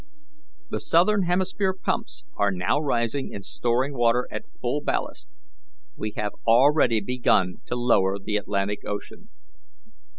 The southern hemisphere pumps are now raising and storing water at full blast. We have already begun to lower the Arctic Ocean."